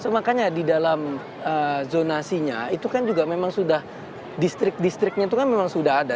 makanya di dalam zonasinya itu kan juga memang sudah distrik distriknya itu kan memang sudah ada